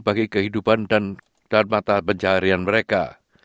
bagi kehidupan dan mata pencaharian mereka